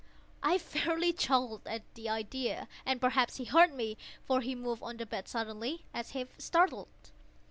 I fairly chuckled at the idea; and perhaps he heard me; for he moved on the bed suddenly, as if startled.